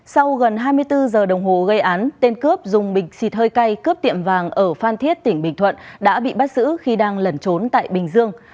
sau gần hai mươi bốn giờ đồng hồ gây án tên cướp dùng bình xịt hơi cay cướp tiệm vàng ở phan thiết tỉnh bình thuận đã bị bắt giữ khi đang lẩn trốn tại bình dương